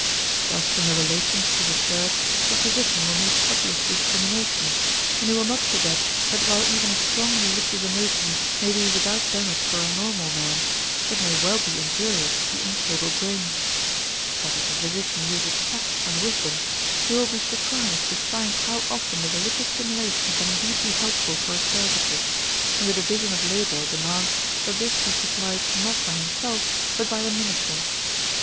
Just in the relation to the church, the physician will need subtlest discrimination, and he will not forget that while even a strong religious emotion may be without damage for a normal man, it may well be injurious to the unstable brain. But if the physician uses tact and wisdom, he will be surprised to find how often the religious stimulation can indeed be helpful for his purposes and the division of labor demands that this be supplied not by himself but by the minister.